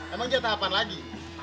emang jatah apaan lagi